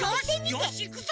よしいくぞ！